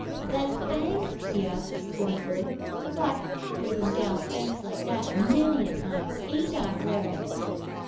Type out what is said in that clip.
"That bank?" he asked, scornfully. "Why, I've ridden down banks like that many a time. 'Ain't I, Clarence?"